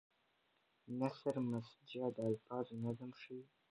نثر مسجع د الفاظو نظم ښيي.